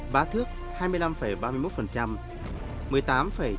bá thước hai mươi năm ba mươi một và một mươi tám chín mươi bốn